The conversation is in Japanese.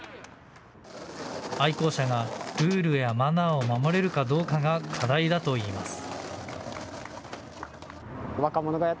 愛好者がルールやマナーを守れるかどうかが課題だといいます。